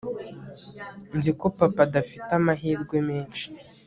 nzi ko papa adafite amahirwe menshi